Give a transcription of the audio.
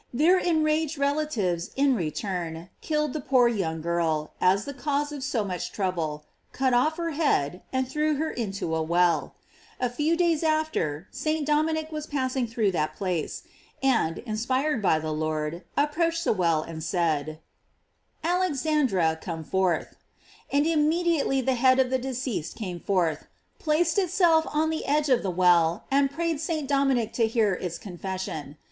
Their enraged relatives, in return, killed the poor young girl, as the cause of so much trouble, cut off her head, and threw her into a well. A few days after, St. Dominic was pass ing through that place, and, inspired by the * In lib. de Gest. Vir. ill. Sol. Villar. t Troph. Marian. 1. 4, c. 29. 274 GLORIES OP MARY. Lord, approached the well, and said: "Alexan dra, come forth," and immediately the head of the deceased came forth, placed itself on the edge of the well, and prayed St. Dominic to hear its confession.